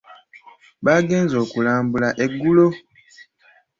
Baagenze okulambula eggulo.